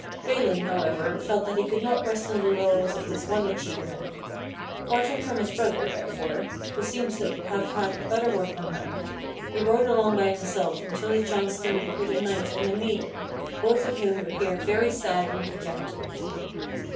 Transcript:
Balin, however, felt that he could not rest on the laurels of this one achievement. Parting from his brother, therefore, who seems "IT WAS A VERY OLD WOODS"* *Forest Edge, Diaz. [Courtesy Braun et Cie.] to have had other work on hand, he rode along by himself until he chanced to meet with a knight and a maiden, both of whom appeared very sad and dejected.